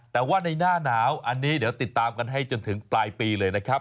แต่ว่าในหน้าหนาวอันนี้เดี๋ยวติดตามกันให้จนถึงปลายปีเลยนะครับ